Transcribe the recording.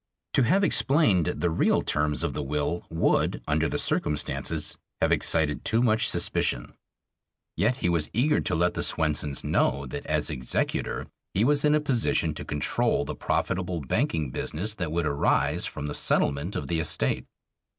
To have explained the real terms of the will would, under the circumstances, have excited too much suspicion. Yet he was eager to let the Swensons know that as executor he was in a position to control the profitable banking business that would arise from the settlement of the estate.